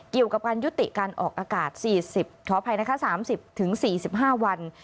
เกี่ยวกับการยุติการออกอากาศ๔๐ขออภัยนะคะ๓๐๔๕วัน